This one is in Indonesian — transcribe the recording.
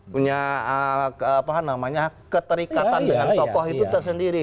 punya apa namanya keterikatan dengan tokoh itu tersendiri